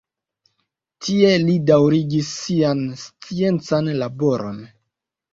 Tie li daŭrigis sian sciencan laboron.